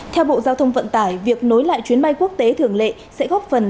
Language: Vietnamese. theo bộ giao thông vận tải việc nối lại chuyến bay quốc tế thường lệ sẽ góp phần